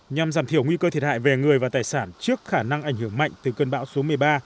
nhằm giảm thiểu nguy cơ thiệt hại về người và tài sản trước khả năng ảnh hưởng mạnh từ cơn bão số một mươi ba